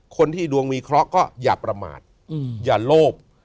คนที่ดวงมีเคราะห์ก็อย่าประมาทอย่าโลภ